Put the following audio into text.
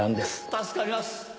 助かります。